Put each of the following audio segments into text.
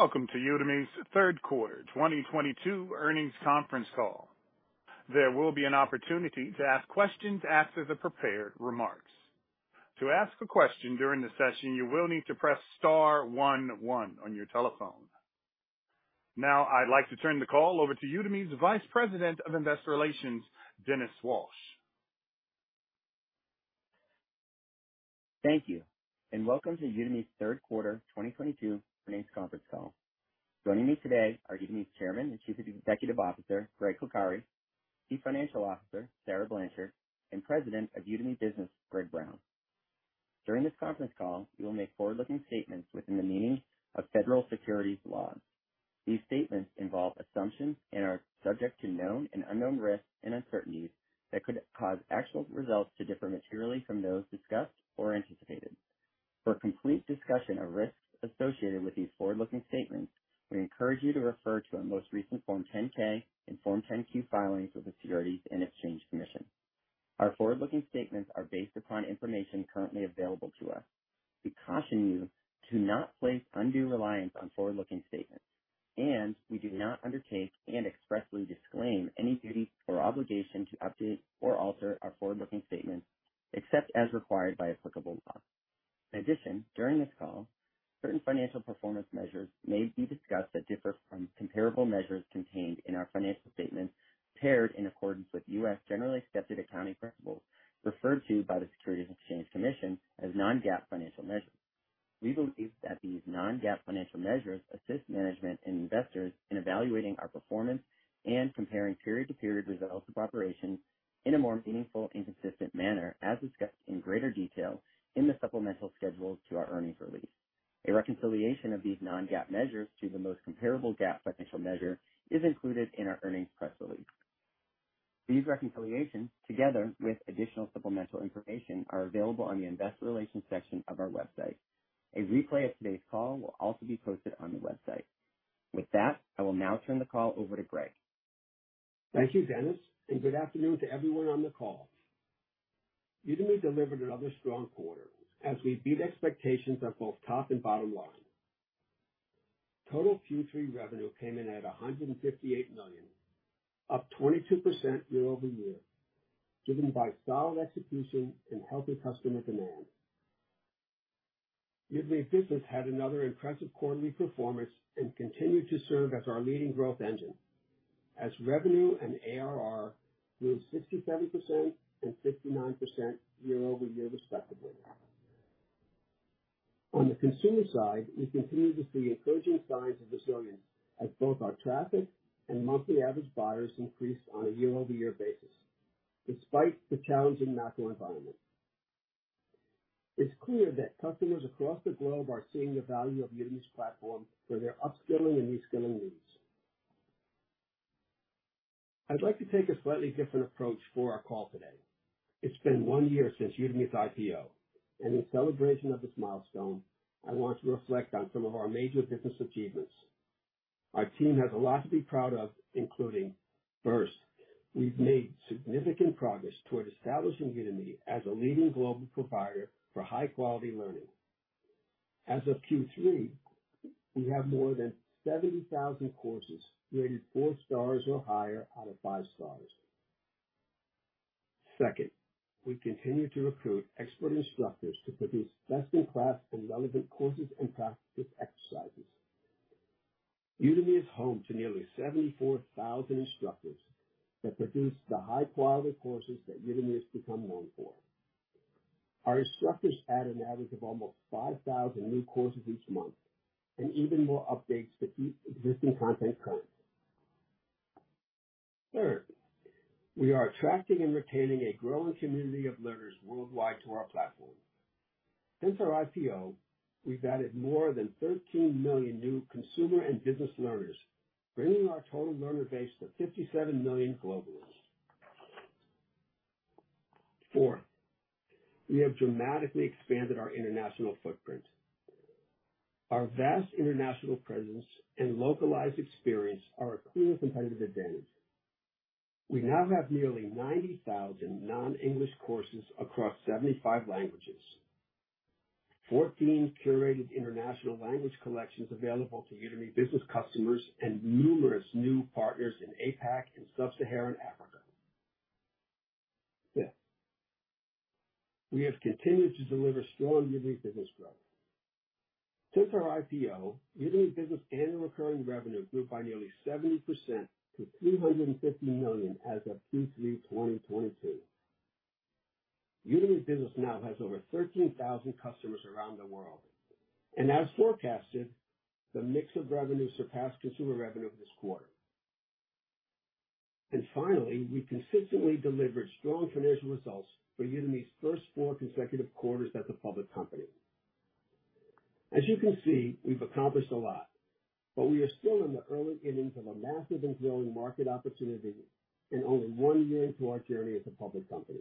Welcome to Udemy's third quarter 2022 earnings conference call. There will be an opportunity to ask questions after the prepared remarks. To ask a question during the session, you will need to press star one one on your telephone. Now I'd like to turn the call over to Udemy's Vice President of Investor Relations, Dennis Walsh. Thank you, and welcome to Udemy's third quarter 2022 earnings conference call. Joining me today are Udemy's Chairman and Chief Executive Officer, Gregg Coccari, Chief Financial Officer, Sarah Blanchard, and President of Udemy Business, Greg Brown. During this conference call, we will make forward-looking statements within the meaning of federal securities laws. These statements involve assumptions and are subject to known and unknown risks and uncertainties that could cause actual results to differ materially from those discussed or anticipated. For a complete discussion of risks associated with these forward-looking statements, we encourage you to refer to our most recent Form 10-K and Form 10-Q filings with the Securities and Exchange Commission. Our forward-looking statements are based upon information currently available to us. We caution you to not place undue reliance on forward-looking statements, and we do not undertake and expressly disclaim any duty or obligation to update or alter our forward-looking statements, except as required by applicable law. In addition, during this call, certain financial performance measures may be discussed that differ from comparable measures contained in our financial statements prepared in accordance with U.S. generally accepted accounting principles, referred to by the Securities and Exchange Commission as non-GAAP financial measures. We believe that these non-GAAP financial measures assist management and investors in evaluating our performance and comparing period to period results of operations in a more meaningful and consistent manner, as discussed in greater detail in the supplemental schedule to our earnings release. A reconciliation of these non-GAAP measures to the most comparable GAAP financial measure is included in our earnings press release. These reconciliations, together with additional supplemental information, are available on the investor relations section of our website. A replay of today's call will also be posted on the website. With that, I will now turn the call over to Gregg. Thank you, Dennis, and good afternoon to everyone on the call. Udemy delivered another strong quarter as we beat expectations on both top and bottom line. Total Q3 revenue came in at $158 million, up 22% year-over-year, driven by solid execution and healthy customer demand. Udemy Business had another impressive quarterly performance and continued to serve as our leading growth engine as revenue and ARR grew 67% and 59% year-over-year, respectively. On the consumer side, we continue to see encouraging signs of resilience as both our traffic and monthly average buyers increased on a year-over-year basis despite the challenging macro environment. It's clear that customers across the globe are seeing the value of Udemy's platform for their upskilling and reskilling needs. I'd like to take a slightly different approach for our call today. It's been one year since Udemy's IPO, and in celebration of this milestone, I want to reflect on some of our major business achievements. Our team has a lot to be proud of, including, first, we've made significant progress toward establishing Udemy as a leading global provider for high quality learning. As of Q3, we have more than 70,000 courses rated 4 stars or higher out of 5 stars. Second, we continue to recruit expert instructors to produce best in class and relevant courses and practice exercises. Udemy is home to nearly 74,000 instructors that produce the high quality courses that Udemy has become known for. Our instructors add an average of almost 5,000 new courses each month and even more updates to keep existing content current. Third, we are attracting and retaining a growing community of learners worldwide to our platform. Since our IPO, we've added more than 13 million new consumer and business learners, bringing our total learner base to 57 million globally. Fourth, we have dramatically expanded our international footprint. Our vast international presence and localized experience are a clear competitive advantage. We now have nearly 90,000 non-English courses across 75 languages. Fourteen curated international language collections available to Udemy Business customers and numerous new partners in APAC and Sub-Saharan Africa. Fifth, we have continued to deliver strong Udemy Business growth. Since our IPO, Udemy Business annual recurring revenue grew by nearly 70% to $350 million as of Q3 2022. Udemy Business now has over 13,000 customers around the world. As forecasted, the mix of revenue surpassed consumer revenue this quarter. Finally, we've consistently delivered strong financial results for Udemy's first four consecutive quarters as a public company. As you can see, we've accomplished a lot, but we are still in the early innings of a massive and growing market opportunity and only one year into our journey as a public company.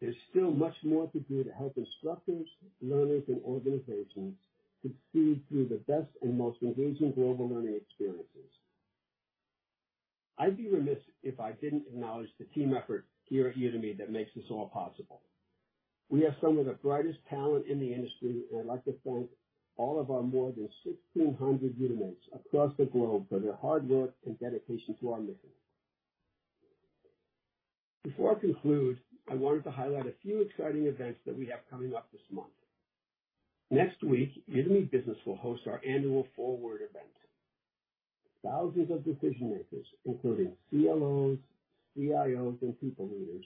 There's still much more to do to help instructors, learners, and organizations succeed through the best and most engaging global learning experiences. I'd be remiss if I didn't acknowledge the team effort here at Udemy that makes this all possible. We have some of the brightest talent in the industry, and I'd like to thank all of our more than 1,600 Udemy across the globe for their hard work and dedication to our mission. Before I conclude, I wanted to highlight a few exciting events that we have coming up this month. Next week, Udemy Business will host our annual Forward event. Thousands of decision-makers, including CLOs, CIOs, and people leaders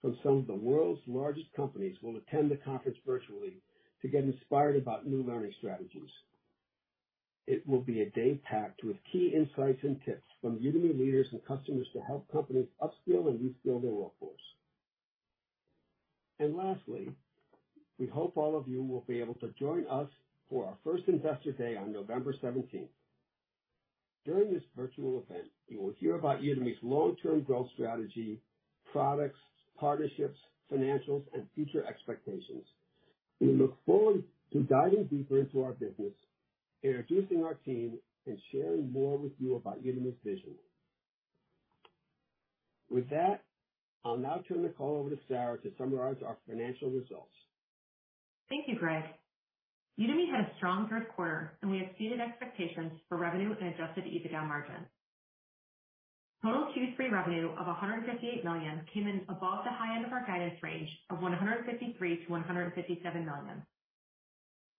from some of the world's largest companies, will attend the conference virtually to get inspired about new learning strategies. It will be a day packed with key insights and tips from Udemy leaders and customers to help companies upskill and reskill their workforce. Lastly, we hope all of you will be able to join us for our first Investor Day on November 17th. During this virtual event, you will hear about Udemy's long-term growth strategy, products, partnerships, financials, and future expectations. We look forward to diving deeper into our business, introducing our team, and sharing more with you about Udemy's vision. With that, I'll now turn the call over to Sarah to summarize our financial results. Thank you, Gregg. Udemy had a strong third quarter, and we exceeded expectations for revenue and adjusted EBITDA margin. Total Q3 revenue of $158 million came in above the high end of our guidance range of $153 million-$157 million.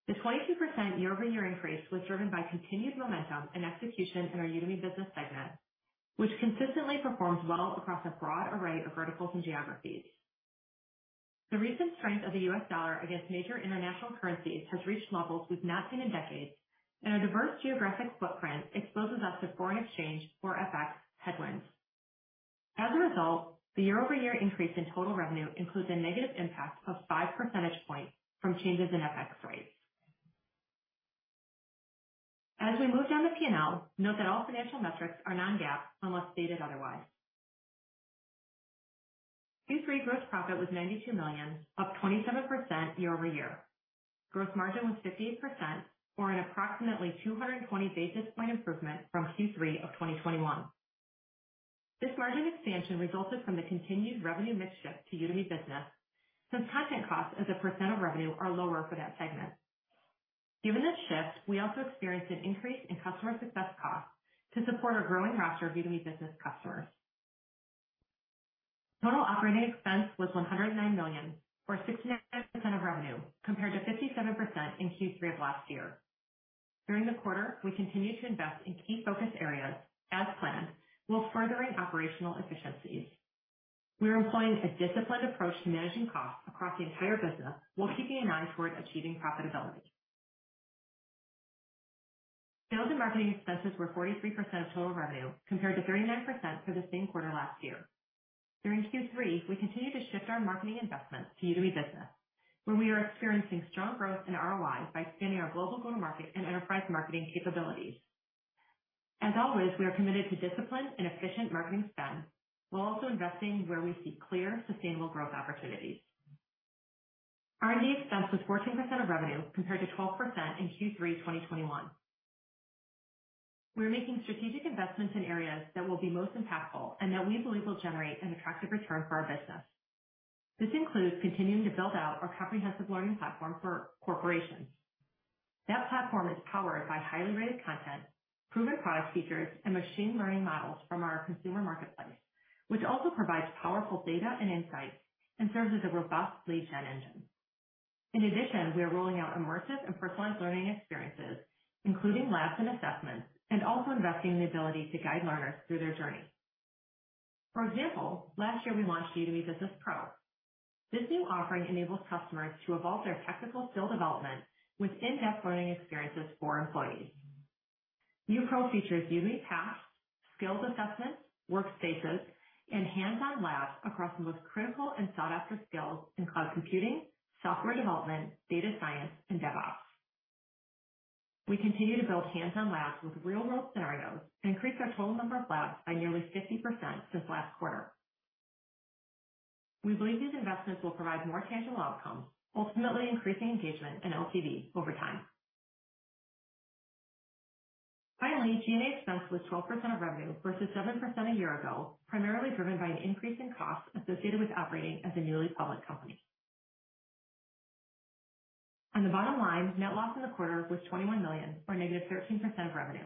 The 22% year-over-year increase was driven by continued momentum and execution in our Udemy Business segment, which consistently performs well across a broad array of verticals and geographies. The recent strength of the U.S. dollar against major international currencies has reached levels we've not seen in decades, and our diverse geographic footprint exposes us to foreign exchange or FX headwinds. As a result, the year-over-year increase in total revenue includes a negative impact of five percentage points from changes in FX rates. As we move down the P&L, note that all financial metrics are non-GAAP unless stated otherwise. Q3 gross profit was $92 million, up 27% year-over-year. Gross margin was 58% or an approximately 220 basis point improvement from Q3 of 2021. This margin expansion resulted from the continued revenue mix shift to Udemy Business, since content costs as a percent of revenue are lower for that segment. Given this shift, we also experienced an increase in customer success costs to support our growing roster of Udemy Business customers. Total operating expense was $109 million, or 69% of revenue, compared to 57% in Q3 of last year. During the quarter, we continued to invest in key focus areas as planned while furthering operational efficiencies. We are employing a disciplined approach to managing costs across the entire business while keeping an eye toward achieving profitability. Sales and marketing expenses were 43% of total revenue, compared to 39% for the same quarter last year. During Q3, we continued to shift our marketing investments to Udemy Business, where we are experiencing strong growth in ROI by expanding our global go-to market and enterprise marketing capabilities. As always, we are committed to disciplined and efficient marketing spend while also investing where we see clear, sustainable growth opportunities. R&D expense was 14% of revenue, compared to 12% in Q3 2021. We are making strategic investments in areas that will be most impactful and that we believe will generate an attractive return for our business. This includes continuing to build out our comprehensive learning platform for corporations. That platform is powered by highly rated content, proven product features, and machine learning models from our consumer marketplace, which also provides powerful data and insights and serves as a robust lead gen engine. In addition, we are rolling out immersive and personalized learning experiences, including labs and assessments, and also investing in the ability to guide learners through their journey. For example, last year we launched Udemy Business Pro. This new offering enables customers to evolve their technical skill development with in-depth learning experiences for employees. New Pro features Udemy Paths, skills assessments, workspaces, and hands-on labs across the most critical and sought-after skills in cloud computing, software development, data science, and DevOps. We continue to build hands-on labs with real-world scenarios and increased our total number of labs by nearly 50% since last quarter. We believe these investments will provide more tangible outcomes, ultimately increasing engagement and LTV over time. Finally, G&A expense was 12% of revenue versus 7% a year ago, primarily driven by an increase in costs associated with operating as a newly public company. On the bottom line, net loss in the quarter was $21 million or -13% of revenue.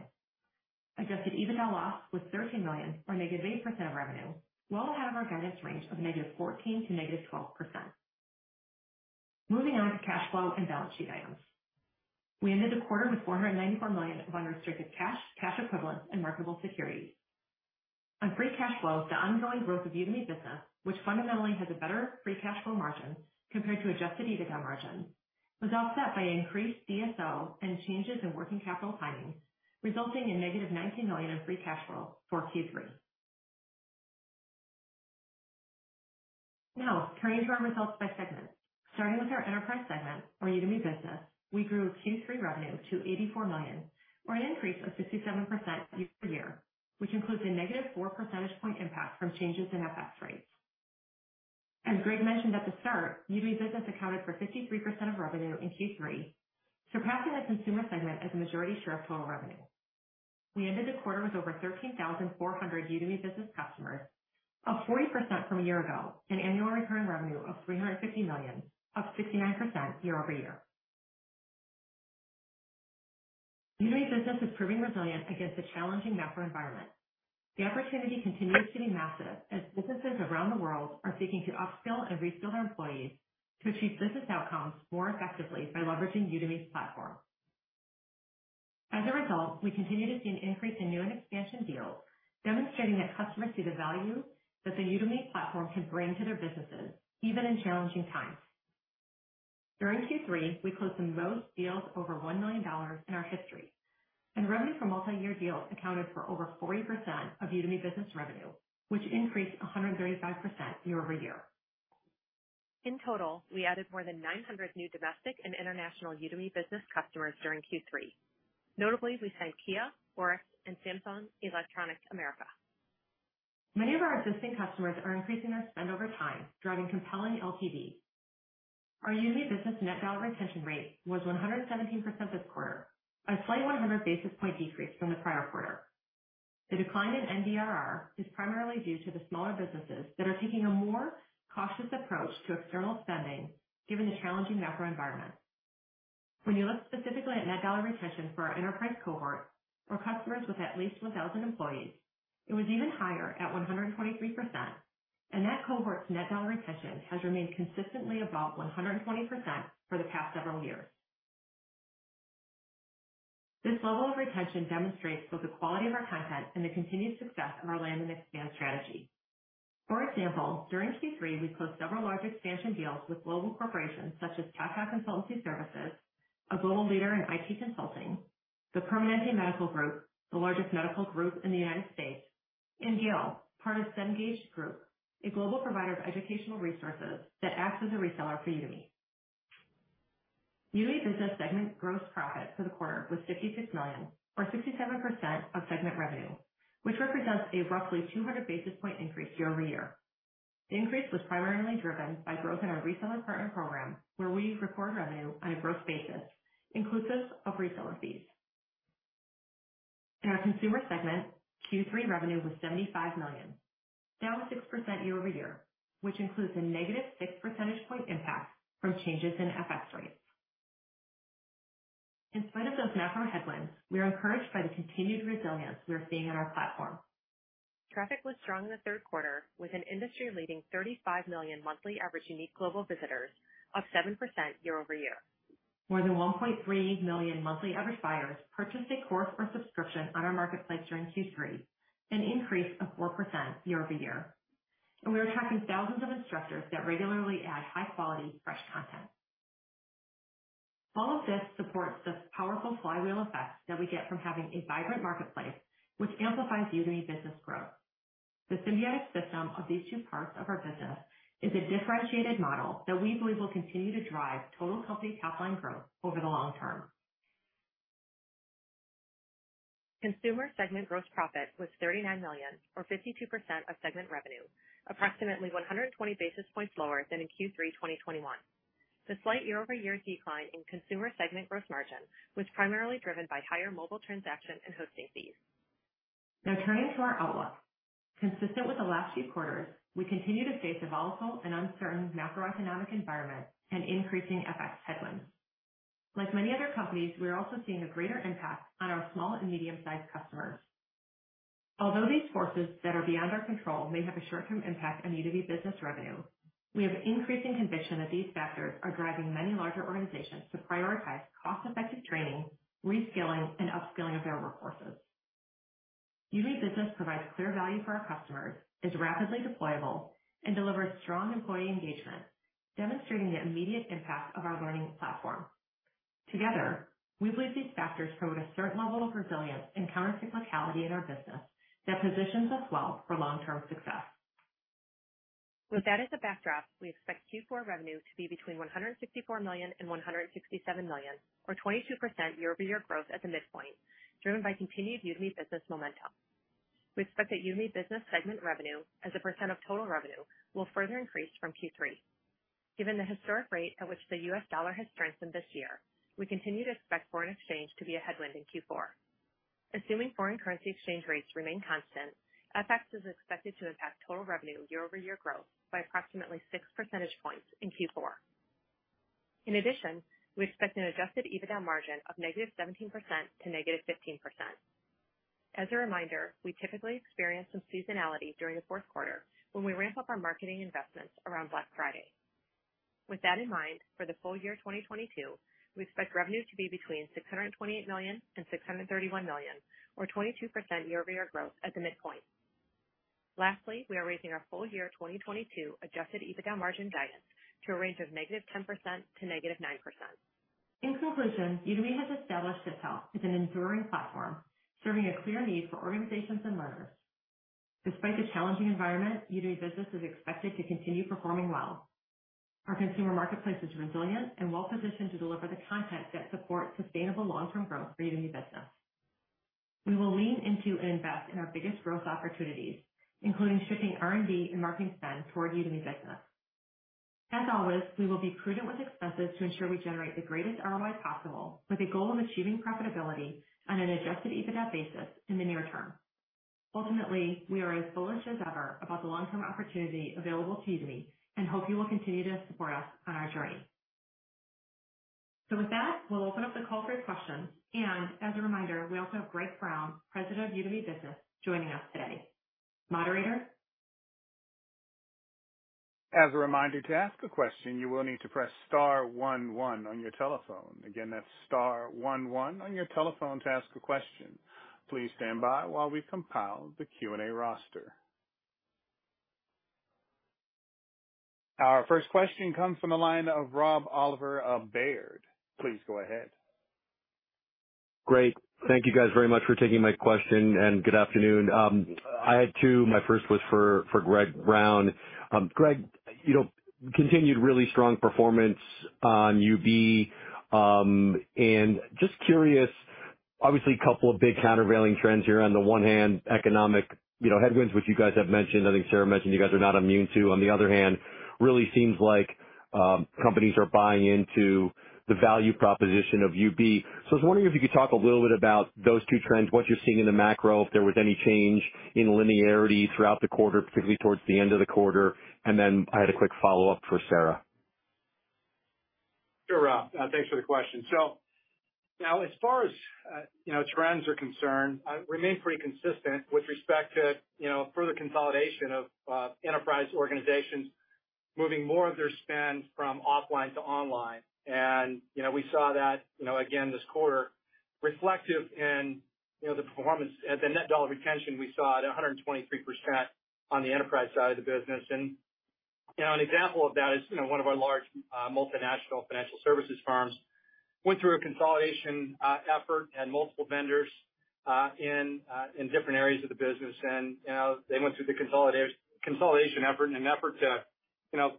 Adjusted EBITDA loss was $13 million or -8% of revenue. We'll have our guidance range of -14% to -12%. Moving on to cash flow and balance sheet items. We ended the quarter with $494 million of unrestricted cash equivalents, and marketable securities. On free cash flow, the ongoing growth of Udemy Business, which fundamentally has a better free cash flow margin compared to adjusted EBITDA margin, was offset by increased DSO and changes in working capital timing, resulting in -$19 million in free cash flow for Q3. Now turning to our results by segment. Starting with our enterprise segment or Udemy Business, we grew Q3 revenue to $84 million or an increase of 67% year-over-year, which includes a -4 percentage point impact from changes in FX rates. As Gregg mentioned at the start, Udemy Business accounted for 53% of revenue in Q3, surpassing the consumer segment as a majority share of total revenue. We ended the quarter with over 13,400 Udemy Business customers, up 40% from a year ago, an annual recurring revenue of $350 million, up 69% year-over-year. Udemy Business is proving resilient against the challenging macro environment. The opportunity continues to be massive as businesses around the world are seeking to upskill and reskill their employees to achieve business outcomes more effectively by leveraging Udemy's platform. As a result, we continue to see an increase in new and expansion deals, demonstrating that customers see the value that the Udemy platform can bring to their businesses, even in challenging times. During Q3, we closed the most deals over $1 million in our history, and revenue from multi-year deals accounted for over 40% of Udemy Business revenue, which increased 135% year-over-year. In total, we added more than 900 new domestic and international Udemy Business customers during Q3. Notably, we signed Kia, Forrest, and Samsung Electronics America. Many of our existing customers are increasing their spend over time, driving compelling LTV. Our Udemy Business net dollar retention rate was 117% this quarter, a slight 100 basis point decrease from the prior quarter. The decline in NDRR is primarily due to the smaller businesses that are taking a more cautious approach to external spending given the challenging macro environment. When you look specifically at net dollar retention for our enterprise cohort or customers with at least 1,000 employees, it was even higher at 123%. That cohort's net dollar retention has remained consistently above 120% for the past several years. This level of retention demonstrates both the quality of our content and the continued success of our land and expand strategy. For example, during Q3, we closed several large expansion deals with global corporations such as Tata Consultancy Services, a global leader in IT consulting, The Permanente Medical Group, the largest medical group in the United States, and Gale, part of Cengage Group, a global provider of educational resources that acts as a reseller for Udemy. Udemy Business segment gross profit for the quarter was $56 million or 67% of segment revenue, which represents a roughly 200 basis point increase year-over-year. The increase was primarily driven by growth in our reseller partner program, where we record revenue on a gross basis inclusive of reseller fees. In our consumer segment, Q3 revenue was $75 million, down 6% year-over-year, which includes a -6 percentage point impact from changes in FX rates. In spite of those macro headwinds, we are encouraged by the continued resilience we are seeing in our platform. Traffic was strong in the third quarter, with an industry-leading 35 million monthly average unique global visitors, up 7% year-over-year. More than 1.3 million monthly average buyers purchased a course or subscription on our marketplace during Q3, an increase of 4% year-over-year. We are attracting thousands of instructors that regularly add high-quality, fresh content. All of this supports the powerful flywheel effect that we get from having a vibrant marketplace which amplifies Udemy Business growth. The symbiotic system of these two parts of our business is a differentiated model that we believe will continue to drive total company top line growth over the long term. Consumer segment gross profit was $39 million, or 52% of segment revenue, approximately 120 basis points lower than in Q3 2021. The slight year-over-year decline in consumer segment gross margin was primarily driven by higher mobile transaction and hosting fees. Now turning to our outlook. Consistent with the last few quarters, we continue to face a volatile and uncertain macroeconomic environment and increasing FX headwinds. Like many other companies, we are also seeing a greater impact on our small and medium-sized customers. Although these forces that are beyond our control may have a short-term impact on Udemy Business revenue, we have increasing conviction that these factors are driving many larger organizations to prioritize cost-effective training, reskilling, and upskilling of their workforces. Udemy Business provides clear value for our customers, is rapidly deployable, and delivers strong employee engagement, demonstrating the immediate impact of our learning platform. Together, we believe these factors promote a certain level of resilience and counter cyclicality in our business that positions us well for long-term success. With that as a backdrop, we expect Q4 revenue to be between $164 million and $167 million, or 22% year-over-year growth at the midpoint, driven by continued Udemy Business momentum. We expect that Udemy Business segment revenue as a percent of total revenue will further increase from Q3. Given the historic rate at which the U.S. dollar has strengthened this year, we continue to expect foreign exchange to be a headwind in Q4. Assuming foreign currency exchange rates remain constant, FX is expected to impact total revenue year-over-year growth by approximately 6 percentage points in Q4. In addition, we expect an adjusted EBITDA margin of -17% to -15%. As a reminder, we typically experience some seasonality during the fourth quarter when we ramp up our marketing investments around Black Friday. With that in mind, for the full year 2022, we expect revenue to be between $628 million and $631 million, or 22% year-over-year growth at the midpoint. Lastly, we are raising our full year 2022 adjusted EBITDA margin guidance to a range of -10% to -9%. In conclusion, Udemy has established itself as an enduring platform, serving a clear need for organizations and learners. Despite the challenging environment, Udemy Business is expected to continue performing well. Our consumer marketplace is resilient and well-positioned to deliver the content that supports sustainable long-term growth for Udemy Business. We will lean into and invest in our biggest growth opportunities, including shifting R&D and marketing spend toward Udemy Business. As always, we will be prudent with expenses to ensure we generate the greatest ROI possible with a goal of achieving profitability on an adjusted EBITDA basis in the near term. Ultimately, we are as bullish as ever about the long-term opportunity available to Udemy and hope you will continue to support us on our journey. With that, we'll open up the call for questions. As a reminder, we also have Greg Brown, President of Udemy Business, joining us today. Moderator? As a reminder, to ask a question, you will need to press star one one on your telephone. Again, that's star one one on your telephone to ask a question. Please stand by while we compile the Q&A roster. Our first question comes from the line of Rob Oliver of Baird. Please go ahead. Great. Thank you guys very much for taking my question, and good afternoon. I had two. My first was for Greg Brown. Greg, you know, continued really strong performance on UB. Just curious, obviously, a couple of big countervailing trends here. On the one hand, economic headwinds, which you guys have mentioned, I think Sarah mentioned you guys are not immune to. On the other hand, really seems like companies are buying into the value proposition of UB. I was wondering if you could talk a little bit about those two trends, what you're seeing in the macro, if there was any change in linearity throughout the quarter, particularly towards the end of the quarter. Then I had a quick follow-up for Sarah. Sure, Rob, thanks for the question. Now, as far as, you know, trends are concerned, I remain pretty consistent with respect to, you know, further consolidation of enterprise organizations moving more of their spend from offline to online. You know, we saw that, you know, again this quarter reflective in, you know, the performance. At the net dollar retention, we saw it at 123% on the enterprise side of the business. You know, an example of that is, you know, one of our large multinational financial services firms went through a consolidation effort and multiple vendors in different areas of the business. You know, they went through the consolidation effort in an effort to, you know,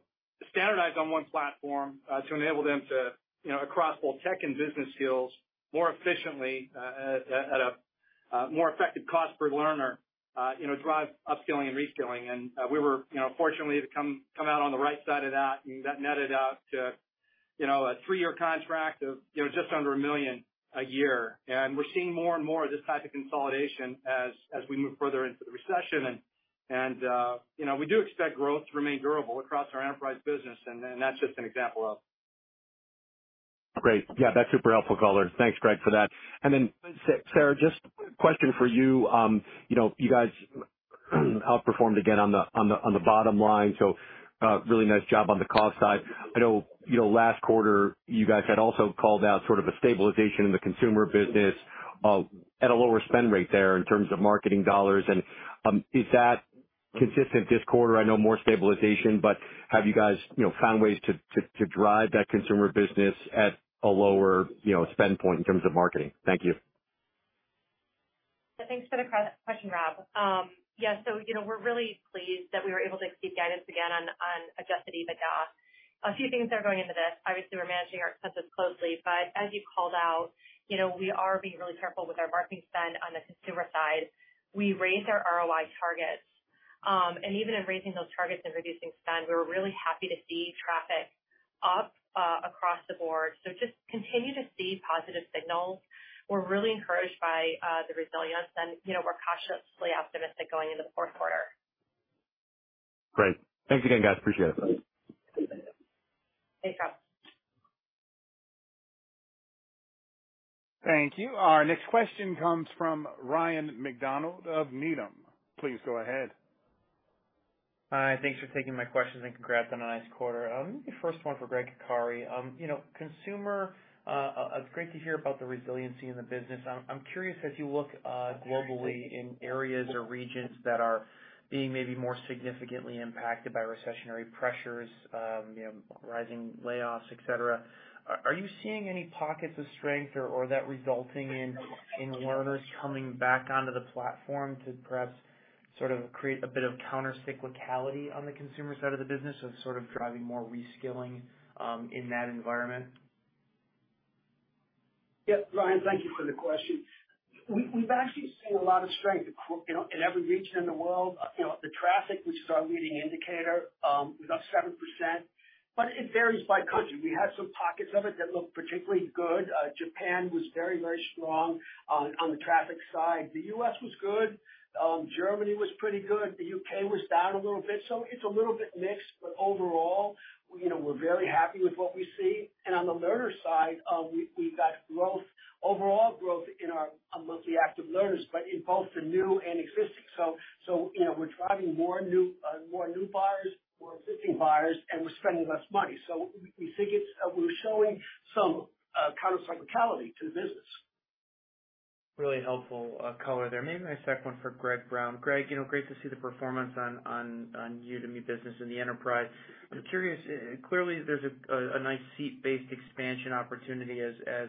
standardize on one platform to enable them to, you know, across both tech and business skills, more efficiently, at a more effective cost per learner, you know, drive upskilling and reskilling. We were, you know, fortunate to come out on the right side of that, and that netted out to, you know, a three-year contract of just under $1 million a year. We're seeing more and more of this type of consolidation as we move further into the recession. We do expect growth to remain durable across our enterprise business, and that's just an example of. Great. Yeah, that's super helpful color. Thanks, Greg, for that. Sarah, just question for you. You know, you guys outperformed again on the bottom line, so really nice job on the cost side. I know, you know, last quarter you guys had also called out sort of a stabilization in the consumer business at a lower spend rate there in terms of marketing dollars. Is that consistent this quarter? I know more stabilization, but have you guys, you know, found ways to drive that consumer business at a lower, you know, spend point in terms of marketing? Thank you. Thanks for the question, Rob. Yeah, so, you know, we're really pleased that we were able to exceed guidance again on adjusted EBITDA. A few things are going into this. Obviously, we're managing our expenses closely. As you called out, you know, we are being really careful with our marketing spend on the consumer side. We raised our ROI targets. Even in raising those targets and reducing spend, we were really happy to see traffic up across the board. Just continue to see positive signals. We're really encouraged by the resilience, and, you know, we're cautiously optimistic going into the fourth quarter. Great. Thanks again, guys. Appreciate it. Thanks, Rob. Thank you. Our next question comes from Ryan MacDonald of Needham. Please go ahead. Hi. Thanks for taking my questions, and congrats on a nice quarter. Maybe first one for Gregg Coccari. You know, consumer, it's great to hear about the resiliency in the business. I'm curious, as you look globally in areas or regions that are being maybe more significantly impacted by recessionary pressures, you know, rising layoffs, et cetera, are you seeing any pockets of strength or that resulting in learners coming back onto the platform to perhaps sort of create a bit of counter-cyclicality on the consumer side of the business of sort of driving more reskilling in that environment? Yeah. Ryan, thank you for the question. We've actually seen a lot of strength across you know, in every region in the world. You know, the traffic was our leading indicator, was up 7%, but it varies by country. We had some pockets of it that looked particularly good. Japan was very strong on the traffic side. The U.S. was good. Germany was pretty good. The U.K. was down a little bit, so it's a little bit mixed. Overall, you know, we're very happy with what we see. On the learner side, we've got growth, overall growth in our monthly active learners, but in both the new and existing. So, you know, we're driving more new buyers, more existing buyers, and we're spending less money. We think it's we're showing some counter cyclicality to the business. Really helpful, color there. Maybe my second one for Greg Brown. Greg, you know, great to see the performance on Udemy Business in the enterprise. I'm curious, clearly there's a nice seat-based expansion opportunity as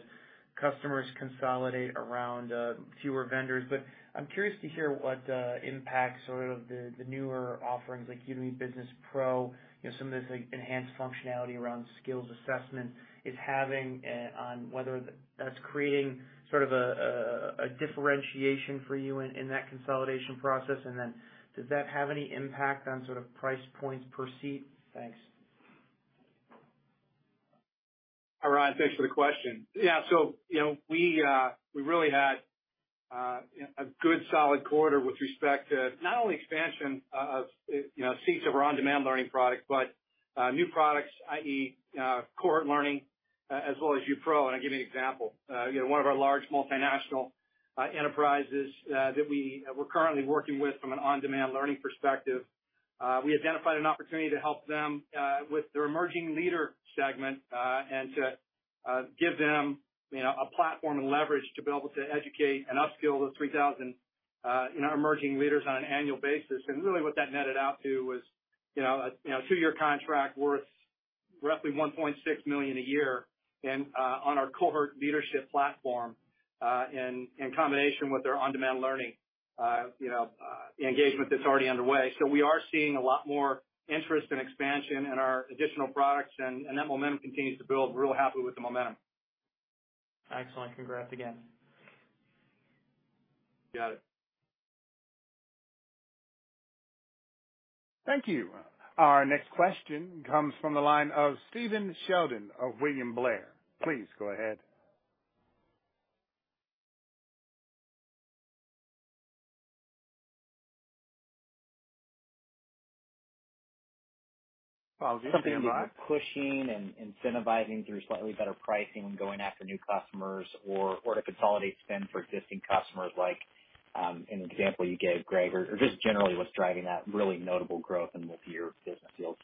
customers consolidate around fewer vendors. I'm curious to hear what impact sort of the newer offerings like Udemy Business Pro, you know, some of this, like, enhanced functionality around skills assessment is having on whether that's creating sort of a differentiation for you in that consolidation process. Does that have any impact on sort of price points per seat? Thanks. Hi, Ryan. Thanks for the question. Yeah. You know, we really had a good solid quarter with respect to not only expansion of you know seats of our on-demand learning product, but new products, i.e., cohort learning, as well as U Pro, and I'll give you an example. You know, one of our large multinational enterprises that we're currently working with from an on-demand learning perspective, we identified an opportunity to help them with their emerging leader segment, and to give them you know a platform and leverage to be able to educate and upskill the 3,000 you know emerging leaders on an annual basis. Really what that netted out to was, you know, you know, two-year contract worth roughly $1.6 million a year and on our cohort leadership platform in combination with their on-demand learning, you know, engagement that's already underway. We are seeing a lot more interest and expansion in our additional products and that momentum continues to build. We're real happy with the momentum. Excellent. Congrats again. Got it. Thank you. Our next question comes from the line of Stephen Sheldon of William Blair. Please go ahead. Well. Something that you're pushing and incentivizing through slightly better pricing when going after new customers or to consolidate spend for existing customers like in the example you gave, Greg, or just generally what's driving that really notable growth in multi-year business deals.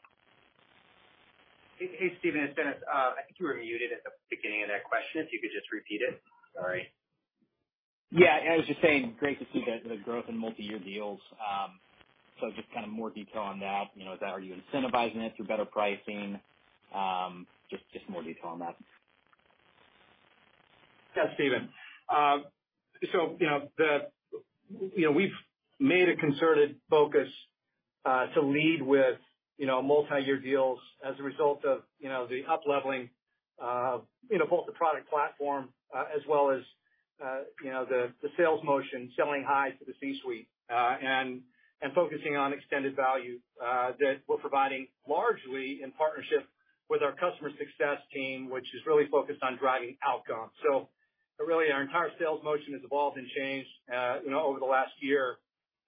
Hey, Stephen, it's Dennis. I think you were muted at the beginning of that question. If you could just repeat it. Sorry. Yeah. I was just saying great to see the growth in multi-year deals. Just kind of more detail on that. You know, are you incentivizing it through better pricing? Just more detail on that. Yeah, Stephen. So you know, we've made a concerted focus to lead with you know, multi-year deals as a result of you know, the upleveling of you know, both the product platform as well as you know, the sales motion, selling high to the C-suite and focusing on extended value that we're providing largely in partnership with our customer success team, which is really focused on driving outcomes. So really, our entire sales motion has evolved and changed you know, over the last year.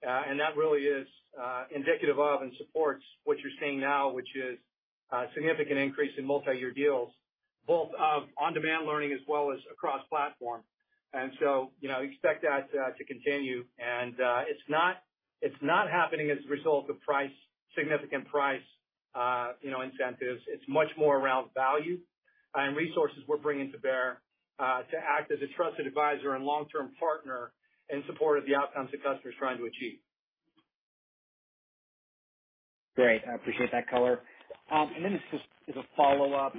That really is indicative of and supports what you're seeing now, which is a significant increase in multi-year deals, both of on-demand learning as well as across platform. You know, expect that to continue. It's not happening as a result of price, significant price, you know, incentives. It's much more around value and resources we're bringing to bear to act as a trusted advisor and long-term partner in support of the outcomes the customer is trying to achieve. Great. I appreciate that color. Just as a follow-up,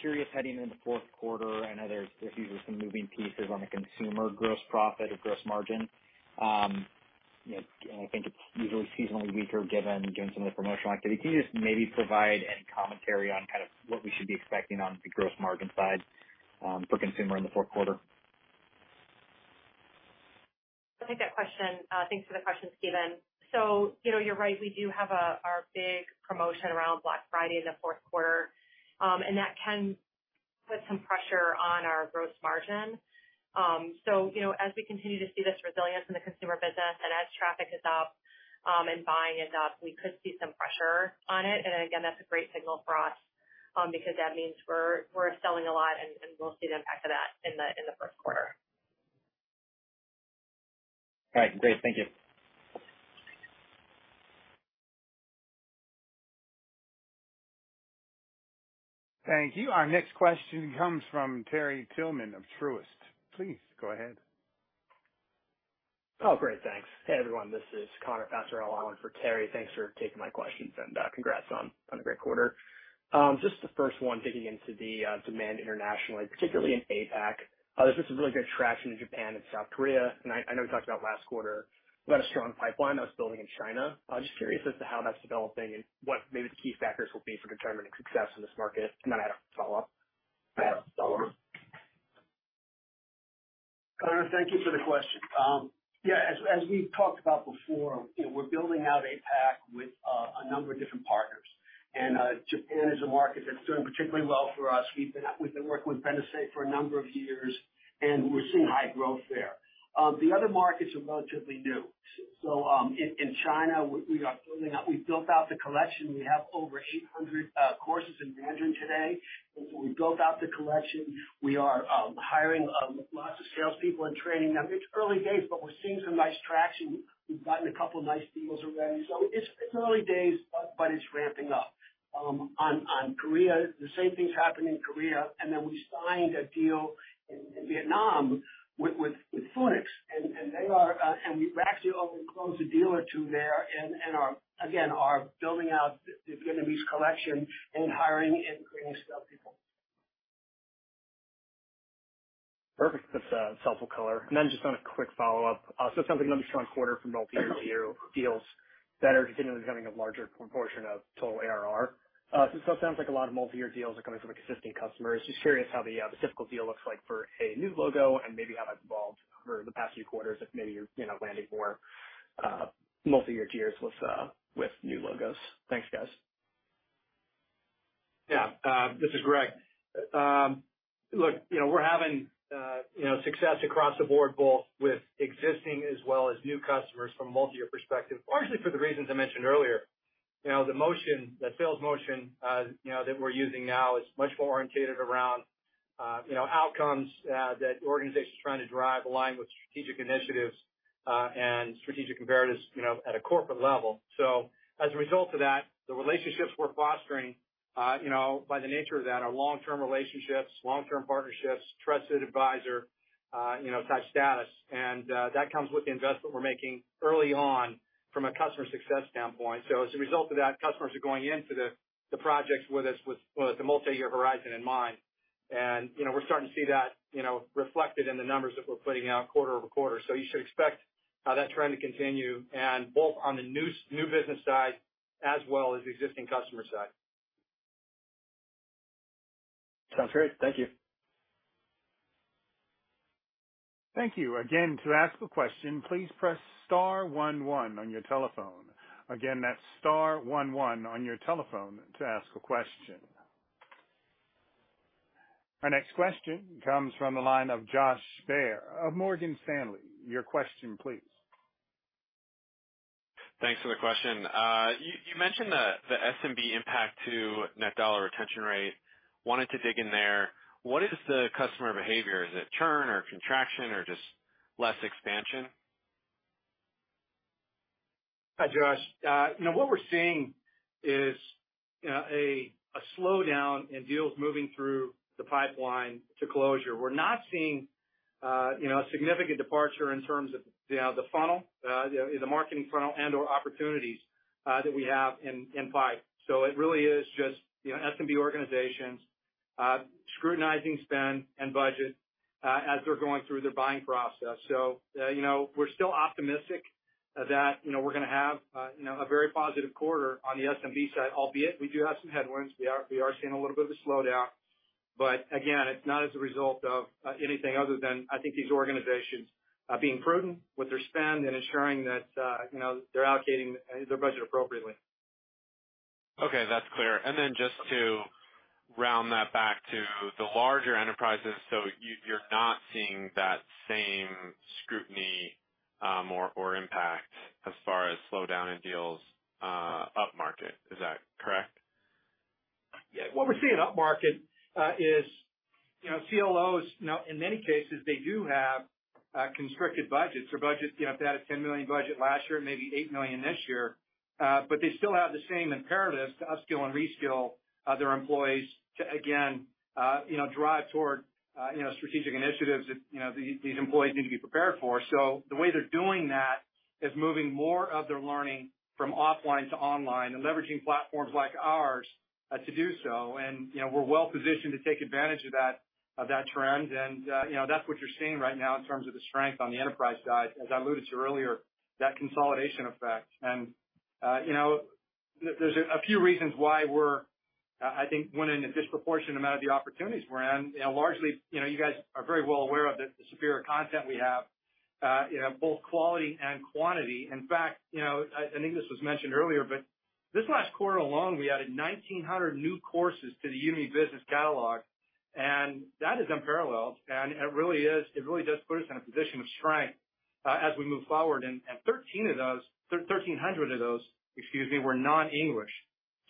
curious heading into the fourth quarter. I know there's usually some moving pieces on the consumer gross profit or gross margin. You know, and I think it's usually seasonally weaker given some of the promotional activity. Can you just maybe provide any commentary on kind of what we should be expecting on the gross margin side, for consumer in the fourth quarter? I'll take that question. Thanks for the question, Stephen. You know, you're right. We do have our big promotion around Black Friday in the fourth quarter. That can put some pressure on our gross margin. You know, as we continue to see this resilience in the consumer business and as traffic is up, and buying is up, we could see some pressure on it. Again, that's a great signal for us, because that means we're selling a lot, and we'll see the impact of that in the first quarter. All right, great. Thank you. Thank you. Our next question comes from Terry Tillman of Truist. Please go ahead. Oh, great. Thanks. Hey, everyone, this is Connor Passarella in for Terry. Thanks for taking my questions, and congrats on a great quarter. Just the first one, digging into the demand internationally, particularly in APAC. There's just some really good traction in Japan and South Korea. I know we talked about last quarter, we had a strong pipeline that was building in China. Just curious as to how that's developing and what maybe the key factors will be for determining success in this market. I have a follow-up. Connor, thank you for the question. As we've talked about before, you know, we're building out APAC with a number of different partners. Japan is a market that's doing particularly well for us. We've been working with Benesse for a number of years, and we're seeing high growth there. The other markets are relatively new. In China, we are building up. We've built out the collection. We have over 800 courses in Mandarin today. We've built out the collection. We are hiring lots of salespeople and training them. It's early days, but we're seeing some nice traction. We've gotten a couple nice deals already. It's early days, but it's ramping up. On Korea, the same thing's happening in Korea. Then we signed a deal in Vietnam with FUNiX. We've actually already closed a deal or two there and are again building out the Vietnamese collection and hiring and training salespeople. Perfect. That's a helpful color. Just on a quick follow-up. Another strong quarter from multi-year deals that are continually becoming a larger proportion of total ARR. It sounds like a lot of multi-year deals are coming from existing customers. Just curious how the typical deal looks like for a new logo and maybe how that's evolved over the past few quarters if maybe you're, you know, landing more multi-year terms with new logos. Thanks, guys. Yeah. This is Greg. Look, you know, we're having success across the board, both with existing as well as new customers from a multi-year perspective, partially for the reasons I mentioned earlier. You know, the motion, the sales motion, you know, that we're using now is much more orientated around, you know, outcomes that organizations are trying to drive aligned with strategic initiatives and strategic imperatives, you know, at a corporate level. As a result of that, the relationships we're fostering, you know, by the nature of that are long-term relationships, long-term partnerships, trusted advisor, you know, type status. That comes with the investment we're making early on from a customer success standpoint. As a result of that, customers are going into the projects with us with the multi-year horizon in mind. You know, we're starting to see that, you know, reflected in the numbers that we're putting out quarter over quarter. You should expect that trend to continue and both on the new business side as well as the existing customer side. Sounds great. Thank you. Thank you. Again, to ask a question, please press star one one on your telephone. Again, that's star one one on your telephone to ask a question. Our next question comes from the line of Josh Baer of Morgan Stanley. Your question please. Thanks for the question. You mentioned the SMB impact to net dollar retention rate. Wanted to dig in there. What is the customer behavior? Is it churn or contraction or just less expansion? Hi, Josh. You know, what we're seeing is a slowdown in deals moving through the pipeline to closure. We're not seeing, you know, a significant departure in terms of, you know, the funnel, the marketing funnel and/or opportunities, that we have in pipe. So it really is just, you know, SMB organizations, scrutinizing spend and budget, as they're going through their buying process. So, you know, we're still optimistic that, you know, we're gonna have, you know, a very positive quarter on the SMB side, albeit we do have some headwinds. We are seeing a little bit of a slowdown, but again, it's not as a result of, anything other than I think these organizations, being prudent with their spend and ensuring that, you know, they're allocating their budget appropriately. Okay, that's clear. Just to round that back to the larger enterprises. You're not seeing that same scrutiny, or impact as far as slowdown in deals, upmarket. Is that correct? Yeah. What we're seeing upmarket is, you know, CLOs, you know, in many cases, they do have constricted budgets. You know, if they had a $10 million budget last year and maybe $8 million this year, but they still have the same imperatives to upskill and reskill their employees to again, you know, drive toward, you know, strategic initiatives that, you know, these employees need to be prepared for. So the way they're doing that is moving more of their learning from offline to online and leveraging platforms like ours to do so. You know, we're well positioned to take advantage of that trend. You know, that's what you're seeing right now in terms of the strength on the enterprise side, as I alluded to earlier, that consolidation effect. You know, there's a few reasons why we're, I think winning a disproportionate amount of the opportunities we're in. You know, largely, you know, you guys are very well aware of the superior content we have, you know, both quality and quantity. In fact, you know, I think this was mentioned earlier, but this last quarter alone, we added 1,900 new courses to the Udemy Business catalog, and that is unparalleled. It really is. It really does put us in a position of strength, as we move forward. And 13,000 of those, excuse me, were non-English.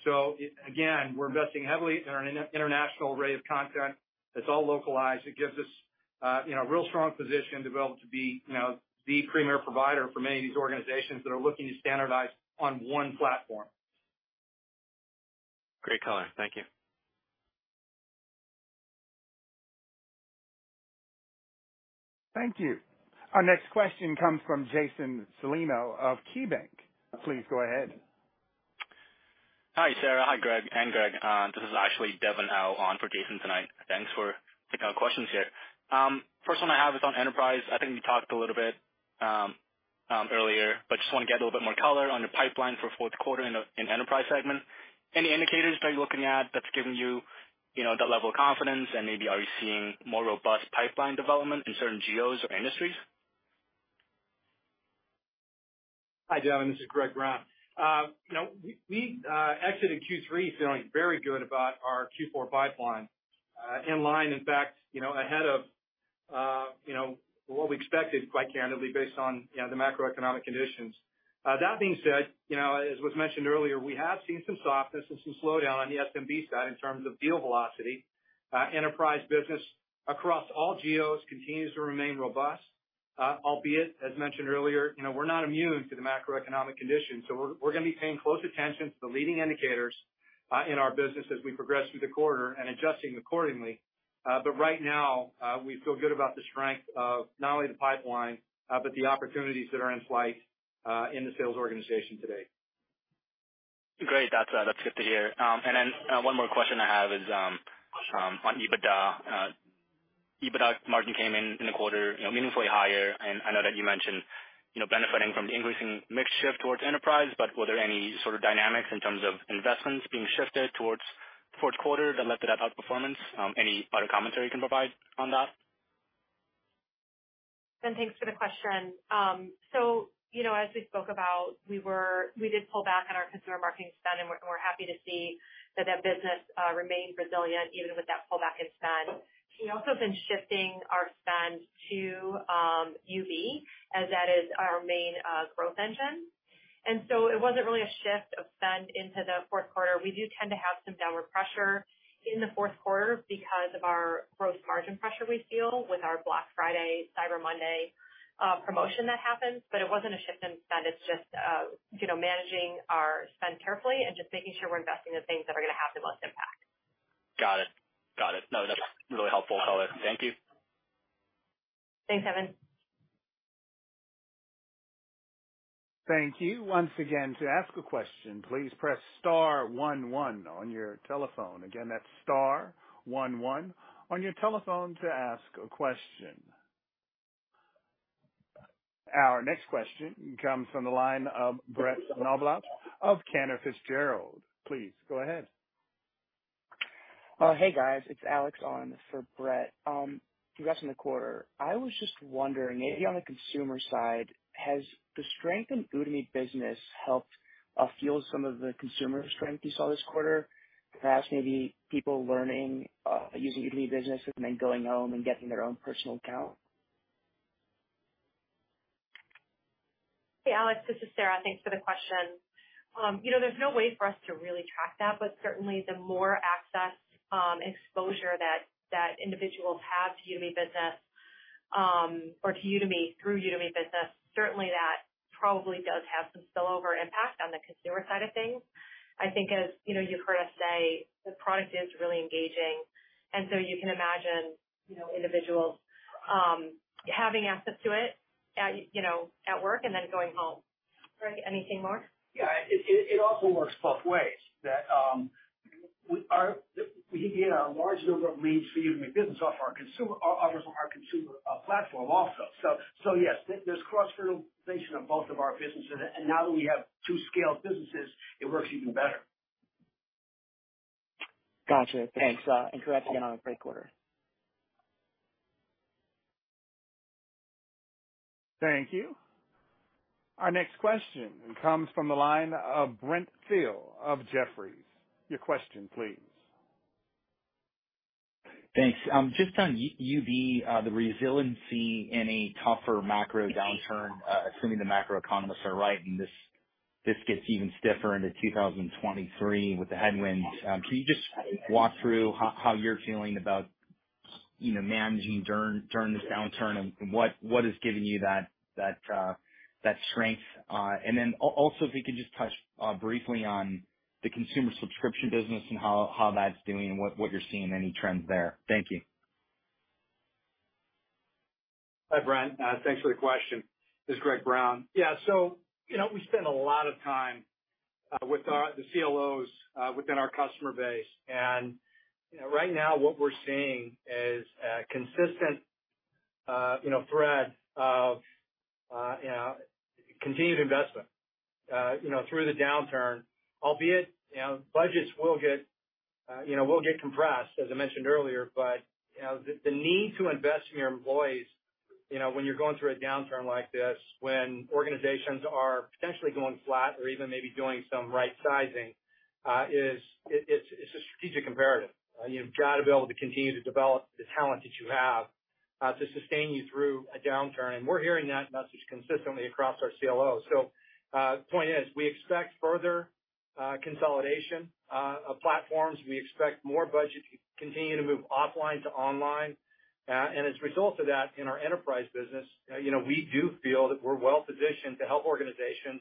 So again, we're investing heavily in our international array of content that's all localized. It gives us, you know, real strong position to be able to be, you know, the premier provider for many of these organizations that are looking to standardize on one platform. Great color. Thank you. Thank you. Our next question comes from Jason Celino of KeyBanc. Please go ahead. Hi, Sarah. Hi, Gregg and Greg. This is actually Devin Au on for Jason tonight. Thanks for taking our questions here. First one I have is on enterprise. I think you talked a little bit earlier, but just wanna get a little bit more color on your pipeline for fourth quarter in enterprise segment. Any indicators that you're looking at that's giving you know, that level of confidence? Maybe are you seeing more robust pipeline development in certain geos or industries? Hi, Devin. This is Greg Brown. You know, we exited Q3 feeling very good about our Q4 pipeline, in line, in fact, you know, ahead of, you know, what we expected quite candidly based on, you know, the macroeconomic conditions. That being said, you know, as was mentioned earlier, we have seen some softness and some slowdown on the SMB side in terms of deal velocity. Enterprise business across all geos continues to remain robust, albeit, as mentioned earlier, you know, we're not immune to the macroeconomic conditions. We're gonna be paying close attention to the leading indicators, in our business as we progress through the quarter and adjusting accordingly. Right now, we feel good about the strength of not only the pipeline, but the opportunities that are in flight in the sales organization today. Great. That's good to hear. One more question I have is on EBITDA. EBITDA margin came in in the quarter, you know, meaningfully higher, and I know that you mentioned, you know, benefiting from the increasing mix shift towards enterprise. Were there any sort of dynamics in terms of investments being shifted towards fourth quarter that led to that outperformance? Any other commentary you can provide on that? Devin, thanks for the question. So, you know, as we spoke about, we did pull back on our consumer marketing spend, and we're happy to see that business remained resilient even with that pullback in spend. We also have been shifting our spend to UB as that is our main growth engine. It wasn't really a shift of spend into the fourth quarter. We do tend to have some downward pressure in the fourth quarter because of our gross margin pressure we feel with our Black Friday/Cyber Monday promotion that happens. It wasn't a shift in spend. It's just, you know, managing our spend carefully and just making sure we're investing in things that are gonna have the most impact. Got it. No, that's really helpful. Thank you. Thanks, Devin. Thank you. Once again, to ask a question, please press star one one on your telephone. Again, that's star one one on your telephone to ask a question. Our next question comes from the line of Brett Knoblauch of Cantor Fitzgerald. Please go ahead. Hey, guys. It's Alex on for Brett. Progressing the quarter, I was just wondering, maybe on the consumer side, has the strength in Udemy Business helped fuel some of the consumer strength you saw this quarter? Perhaps maybe people learning using Udemy Business and then going home and getting their own personal account. Hey, Alex, this is Sarah. Thanks for the question. You know, there's no way for us to really track that, but certainly the more access, exposure that individuals have to Udemy Business, or to Udemy through Udemy Business, certainly that probably does have some spillover impact on the consumer side of things. I think as you know, you've heard us say, the product is really engaging, and so you can imagine, you know, individuals having access to it at work and then going home. Greg, anything more? Yeah. It also works both ways. We get a large number of leads for Udemy Business off our consumer platform also. Yes, there's cross-fertilization of both of our businesses. Now that we have two scaled businesses, it works even better. Gotcha. Thanks. Congrats again on a great quarter. Thank you. Our next question comes from the line of Brent Thill of Jefferies. Your question please. Thanks. Just on UB, the resiliency in a tougher macro downturn, assuming the macro economists are right, and this gets even stiffer into 2023 with the headwinds. Can you just walk through how you're feeling about, you know, managing during this downturn and what is giving you that strength? And then also if you could just touch briefly on the consumer subscription business and how that's doing and what you're seeing, any trends there. Thank you. Hi, Brent Thill. Thanks for the question. This is Greg Brown. Yeah. You know, we spend a lot of time with the CLOs within our customer base. You know, right now what we're seeing is a consistent, you know, thread of, you know, continued investment, you know, through the downturn, albeit, you know, budgets will get compressed, as I mentioned earlier. You know, the need to invest in your employees, you know, when you're going through a downturn like this, when organizations are potentially going flat or even maybe doing some right sizing, is a strategic imperative. You've got to be able to continue to develop the talent that you have to sustain you through a downturn. We're hearing that message consistently across our CLOs. Point is, we expect further consolidation of platforms. We expect more budget to continue to move offline to online. As a result of that, in our enterprise business, you know, we do feel that we're well-positioned to help organizations,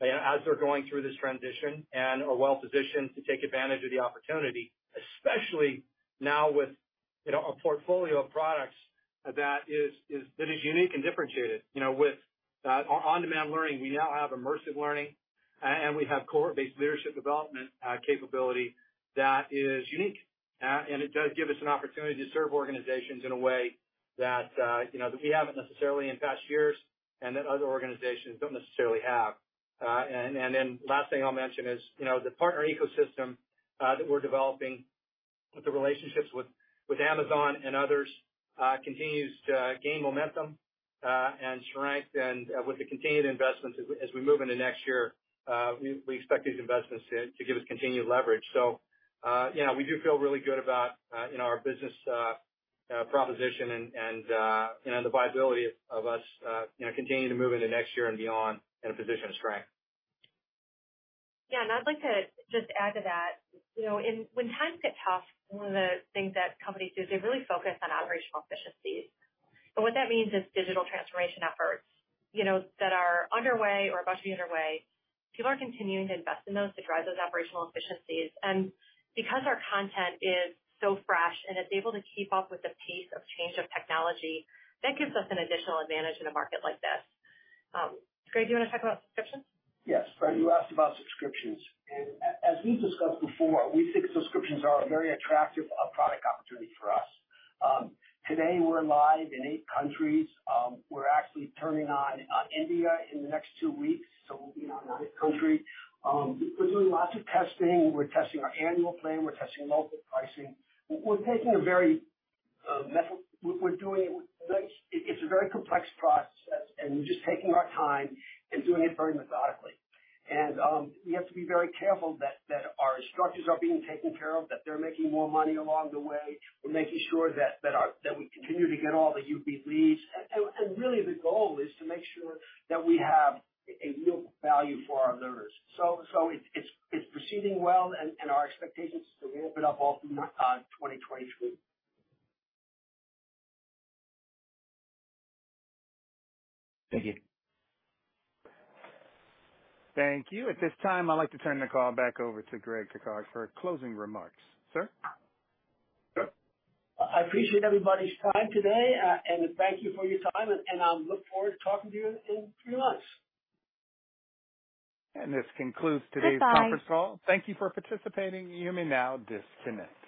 you know, as they're going through this transition and are well-positioned to take advantage of the opportunity, especially now with, you know, a portfolio of products that is unique and differentiated. You know, with on-demand learning, we now have immersive learning, and we have cohort-based leadership development capability that is unique. It does give us an opportunity to serve organizations in a way that, you know, that we haven't necessarily in past years and that other organizations don't necessarily have. Then the last thing I'll mention is, you know, the partner ecosystem that we're developing with the relationships with Amazon and others continues to gain momentum and strength. With the continued investments as we move into next year, we expect these investments to give us continued leverage. You know, we do feel really good about, you know, our business proposition and the viability of us, you know, continuing to move into next year and beyond in a position of strength. Yeah. I'd like to just add to that. You know, when times get tough, one of the things that companies do is they really focus on operational efficiencies. What that means is digital transformation efforts, you know, that are underway or about to be underway, people are continuing to invest in those to drive those operational efficiencies. Because our content is so fresh and it's able to keep up with the pace of change of technology, that gives us an additional advantage in a market like this. Gregg, do you wanna talk about subscriptions? Yes. Brent, you asked about subscriptions. As we've discussed before, we think subscriptions are a very attractive product opportunity for us. Today we're live in eight countries. We're actually turning on India in the next two weeks, so we'll be in nine countries. We're doing lots of testing. We're testing our annual plan. We're testing multiple pricing. It's a very complex process, and we're just taking our time and doing it very methodically. We have to be very careful that our instructors are being taken care of, that they're making more money along the way. We're making sure that we continue to get all the UB leads. Really the goal is to make sure that we have a real value for our learners. It's proceeding well, and our expectation is to ramp it up all through 2023. Thank you. Thank you. At this time, I'd like to turn the call back over to Gregg Coccari for closing remarks. Sir? Sure. I appreciate everybody's time today, and thank you for your time, and I look forward to talking to you in three months. This concludes today's conference call. Thank you for participating. You may now disconnect.